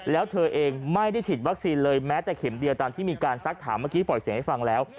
แล้วเธอเองไม่ได้ฉีดวัคซีนเลยแม้แต่เข็มเดียวตามที่มีการซักถามเมื่อกี้ปล่อยเสียงให้ฟังแล้ว